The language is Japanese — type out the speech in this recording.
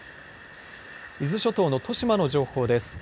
伊豆諸島の利島の情報です。